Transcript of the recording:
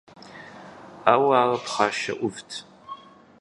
Ауэ ар пхъашэ Ӏувт.